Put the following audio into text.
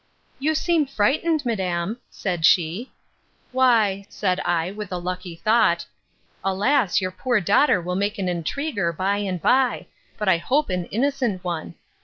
You seem frightened, madam, said she; Why, said I, with a lucky thought, (alas! your poor daughter will make an intriguer by and by; but I hope an innocent one!)